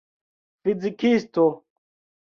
fizikisto